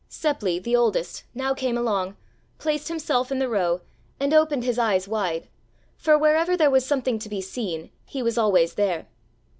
Seppli, the oldest, now came along, placed himself in the row, and opened his eyes wide, for wherever there was something to be seen he was always there.